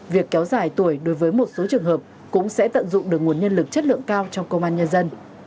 việc kéo dài tuổi đối với một số trường hợp cũng sẽ tận dụng được nguồn nhân lực chất lượng cao trong công an nhân dân